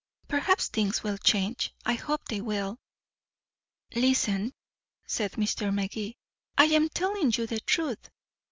Perhaps things will change. I hope they will." "Listen," said Mr. Magee. "I am telling you the truth.